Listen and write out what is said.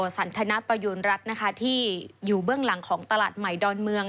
สันทนประยูณรัฐนะคะที่อยู่เบื้องหลังของตลาดใหม่ดอนเมือง